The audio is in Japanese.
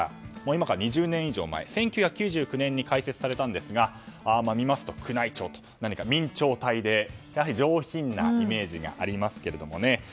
今から２０年以上前１９９９年に開設されたんですが見ますと、宮内庁と何か明朝体で、やはり上品なイメージがありますけどね。